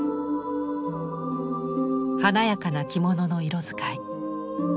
華やかな着物の色使い。